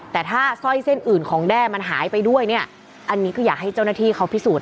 แต่ถ้าสร้อยเส้นอื่นของแด้มันหายไปด้วยเนี่ยอันนี้ก็อยากให้เจ้าหน้าที่เขาพิสูจน